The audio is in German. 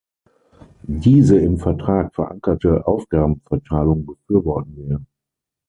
Diese im Vertrag verankerte Aufgabenverteilung befürworten wir.